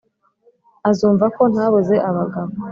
azumva ko ntabuze abagabo